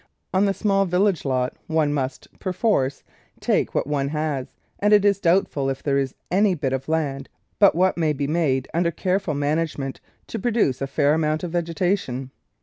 On the small village lot one must, perforce, take what one has, and it is doubtful if there is any bit of land but what may be made, under careful management, to produce a fair amount of vege tation.